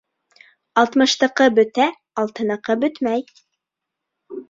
Алтмыштыҡы бөтә, алтыныҡы бөтмәй.